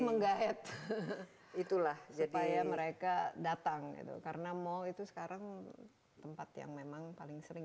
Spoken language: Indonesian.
menggahit itulah supaya mereka datang itu karena mall itu sekarang tempat yang memang paling sering